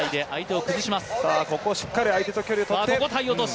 ここしっかり相手と距離をとって。